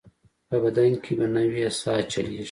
په بدن کې به نوې ساه چلېږي.